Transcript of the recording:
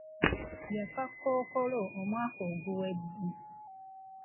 Yafa Kkokolo omwaka oguwedde.